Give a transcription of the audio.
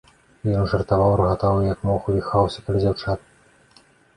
Ён жартаваў, рагатаў і як мог увіхаўся каля дзяўчат.